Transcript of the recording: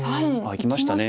いきました。